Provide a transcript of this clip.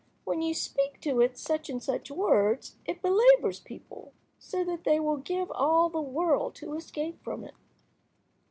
When you speak to it such and such words it belabours people so that they will give all the world to escape from it."